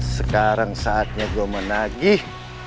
sekarang saatnya gue menagih